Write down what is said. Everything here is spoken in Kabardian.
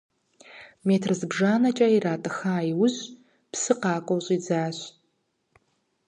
Метр зыбжанэкӏэ иратӏыха иужь, псы къакӏуэу щӏидзащ.